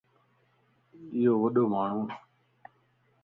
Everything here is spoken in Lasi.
ايو وڏيو ماڻھون وَ